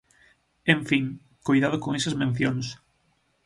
En fin, coidado con esas mencións.